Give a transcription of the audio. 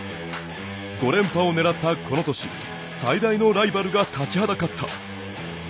５連覇を狙ったこの年最大のライバルが立ちはだかった。